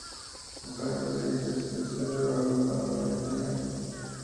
Actualmente dirige a la Selección de balonmano de Argentina.